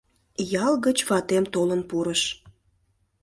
Ял гыч ватем толын пурыш.